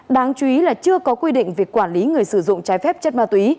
đáng chú ý là chưa có quy định về quản lý người sử dụng trái phép chất ma túy